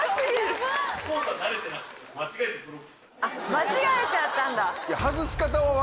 間違えちゃったんだ！